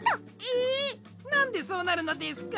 なんでそうなるのですか！